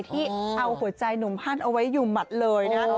ที่เอาหัวใจหนุ่มฮันเอาไว้อยู่หมัดเลยนะ